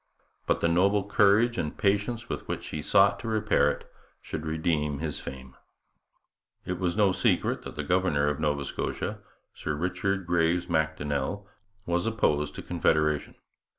But the noble courage and patience with which he sought to repair it should redeem his fame. It was no secret that the governor of Nova Scotia, Sir Richard Graves Macdonnell, was opposed to Confederation.